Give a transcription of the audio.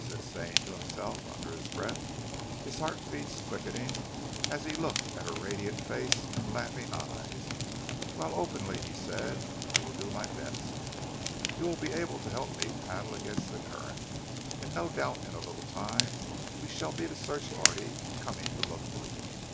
said Stane to himself under his breath; his heart beats quickening as he looked at her radiant face and laughing eyes; whilst openly he said: "I will do my best. You will be able to help me to paddle against the current, and no doubt in a little time we shall meet a search party coming to look for you."